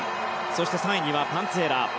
そして３位にはパンツィエラ。